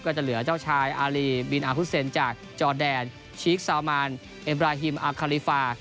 จะเหลือเจ้าชายอารีบินอาฮุเซนจากจอแดนชีคซาวมานเอ็บราฮิมอาคาริฟา